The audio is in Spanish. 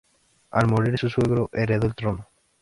Al morir su suegro heredó el trono.